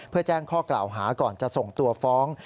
เพื่อแจ้งข้อกล่าวหาก่อนจะส่งตัวฟ้อง